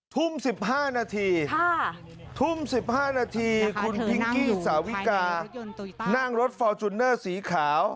ทุ่ม๑๕นาทีทุ่ม๑๕นาทีคุณพิงกี้สาวิกานั่งรถฟอร์จูเนอร์สีขาว